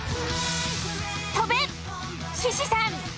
跳べ獅子さん！